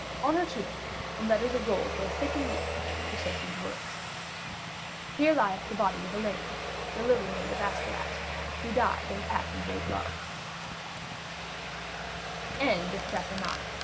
On her tomb in letters of gold both thick and deep were set the words: 'Here lieth the body of Elaine, the Lily Maid of Astolat, who died of a passing great love' X HOW THE THREE GOO